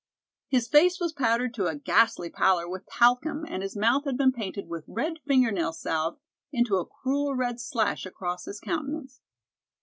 His face was powdered to a ghastly pallor with talcum and his mouth had been painted with red finger nail salve into a cruel red slash across his countenance.